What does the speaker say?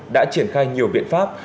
đã triển khai nhiều biện pháp